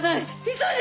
急いで！